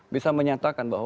bisa menyatakan bahwa